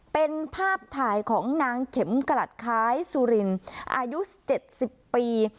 เป็นภาพถ่ายของนางเข็มกลัดคล้ายสุรินอายุ๗๐ปี